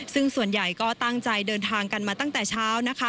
ซึ่งส่วนใหญ่ก็ตั้งใจเดินทางกันมาตั้งแต่เช้านะคะ